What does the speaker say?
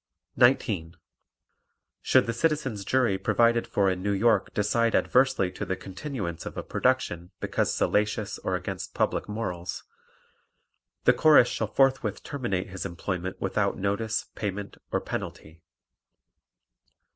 19. Should the Citizens' Jury provided for in New York decide adversely to the continuance of a production because salacious or against public morals, the Chorus shall forthwith terminate his employment without notice, payment or penalty.